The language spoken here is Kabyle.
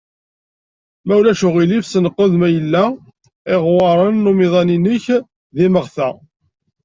Ma ulac aɣilif senqed ma yella iɣewwaṛen n umiḍan-inek d imeɣta.